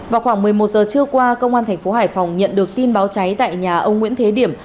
vào khoảng một mươi một giờ trưa qua công an thành phố hải phòng nhận được tin báo cháy tại nhà ông nguyễn thế điểm